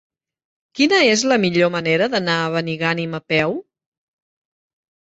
Quina és la millor manera d'anar a Benigànim a peu?